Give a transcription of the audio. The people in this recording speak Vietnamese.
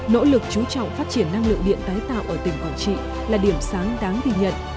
nỗ lực chú trọng phát triển năng lượng điện tái tạo ở tỉnh quảng trị là điểm sáng đáng ghi nhận